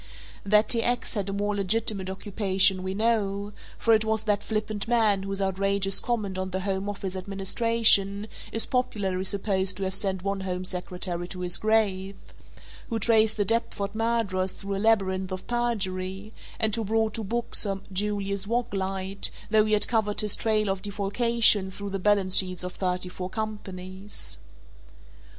That T. X. had a more legitimate occupation we know, for it was that flippant man whose outrageous comment on the Home Office Administration is popularly supposed to have sent one Home Secretary to his grave, who traced the Deptford murderers through a labyrinth of perjury and who brought to book Sir Julius Waglite though he had covered his trail of defalcation through the balance sheets of thirty four companies.